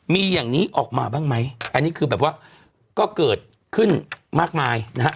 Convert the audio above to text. มีอย่างนี้ออกมาบ้างไหมอันนี้คือแบบว่าก็เกิดขึ้นมากมายนะฮะ